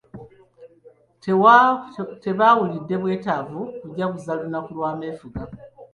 Tebaawulidde bwetaavu kujaguza lunaku lwa meefuga.